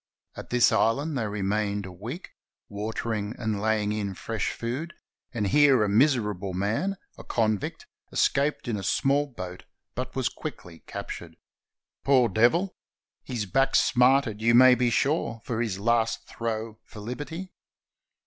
At this island they remained a week, watering and laying in fresh food, and here a miserable man, a convict, es caped in a small boat, but was quickly captured. Poor devil! His back smarted, you may be sure, for this last throw for Hberty.